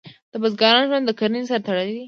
د بزګرانو ژوند د کرنې سره تړلی دی.